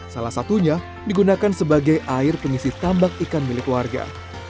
salah satunya digunakan sebagai air pengisi tambak ikan milik warga